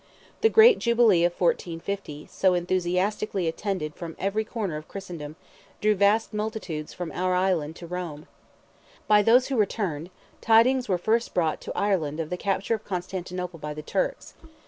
The great Jubilee of 1450, so enthusiastically attended from every corner of Christendom, drew vast multitudes from our island to Rome. By those who returned tidings were first brought to Ireland of the capture of Constantinople by the Turks.